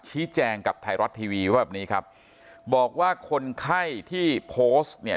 ชี้แจงกับไทยรัฐทีวีว่าแบบนี้ครับบอกว่าคนไข้ที่โพสต์เนี่ย